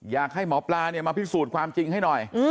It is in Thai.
อยากให้หมอปลามาพิสูจน์ความจริงให้หน่อย